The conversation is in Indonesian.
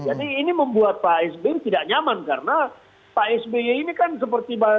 jadi ini membuat pak sby tidak nyaman karena pak sby ini kan seperti